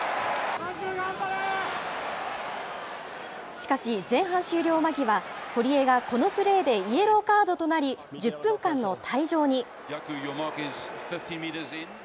しかし、前半終了間際、堀江がこのプレーでイエローカードとなり、１０分間の退場に。